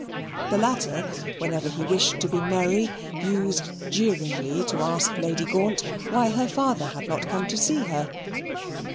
The latter, whenever he wished to be merry, used jeeringly to ask Lady Gaunt why her father had not come to see her.